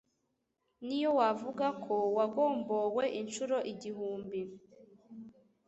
niyo wavuga ko wagombowe inshuro igihumbi.